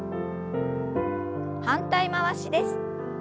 反対回しです。